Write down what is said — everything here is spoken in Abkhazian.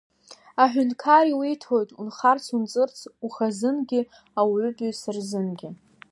Аҳәынҭқар иуиҭоит унхарц-унҵырц ухазынгьы ауаатәыҩса рзынгьы…